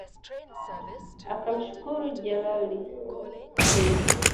Akamshukuru Jalali kwa hili